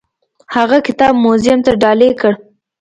هغه کتاب موزیم ته ډالۍ کړ.